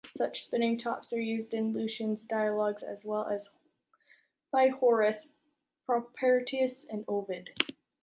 Such spinning tops are used in Lucian’s dialogues as well as by Horace, Propertius and Ovid.